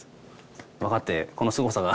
分かってこのすごさが。